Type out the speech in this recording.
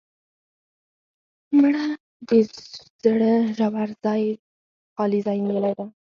مړه د زړه ژور خالي ځای نیولې ده